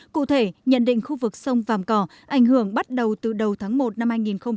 cụ thể nhận định khu vực sông vàm cỏ ảnh hưởng bắt đầu từ đầu tháng một năm hai nghìn hai mươi